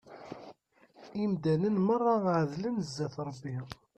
Imdanen merra εedlen zzat Rebbi.